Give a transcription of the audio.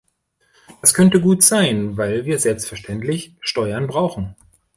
Das könnte gut sein, weil wir selbstverständlich Steuern brauchen.